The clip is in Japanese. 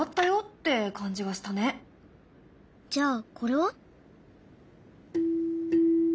じゃあこれは？